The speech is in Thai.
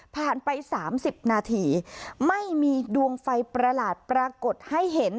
ไป๓๐นาทีไม่มีดวงไฟประหลาดปรากฏให้เห็น